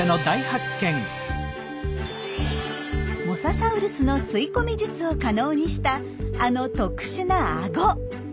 モササウルスの吸い込み術を可能にしたあの特殊なあご。